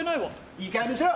いい加減にしろ！